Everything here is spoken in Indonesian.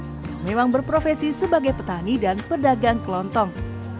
yang memang berprofesi sebagai petani dan pedagang kelontong